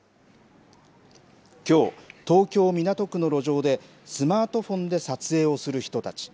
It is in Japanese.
きょう、東京・港区の路上でスマートフォンで撮影をする人たち。